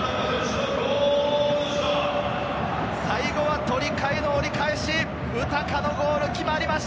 最後は鳥海の折り返し、ウタカのゴールが決まりました！